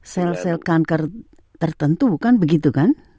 sel sel kanker tertentu bukan begitu kan